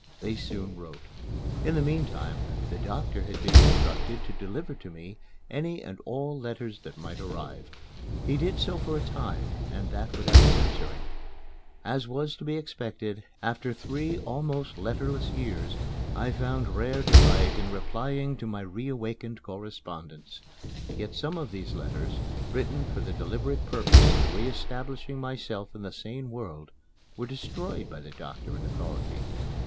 They soon wrote. In the meantime the doctor had been instructed to deliver to me any and all letters that might arrive. He did so for a time, and that without censoring. As was to be expected, after nearly three almost letterless years, I found rare delight in replying to my reawakened correspondents. Yet some of these letters, written for the deliberate purpose of re establishing myself in the sane world, were destroyed by the doctor in authority.